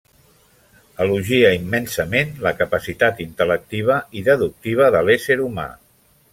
Elogia immensament la capacitat intel·lectiva i deductiva de l'ésser humà.